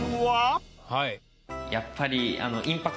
やっぱり。